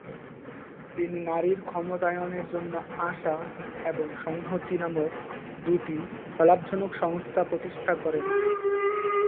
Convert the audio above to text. তিনি নারীর ক্ষমতায়নের জন্য "আশা" এবং "সংহতি" নামক দুটি অলাভজনক সংস্থা প্রতিষ্ঠা করেন।